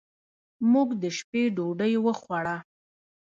موږ د شپې ډوډۍ وخوړه.